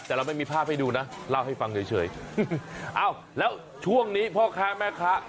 แต่เราไม่มีภาพให้ดูนะเล่าให้ฟังเฉยเอ้าแล้วช่วงนี้พ่อค้าแม่ค้า